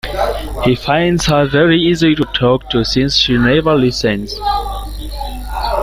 He finds her very easy to talk to since she never listens.